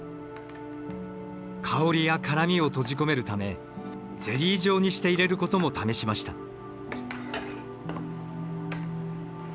香りや辛みを閉じ込めるためゼリー状にして入れることも試しました。